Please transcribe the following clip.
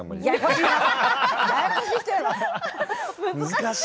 難しい。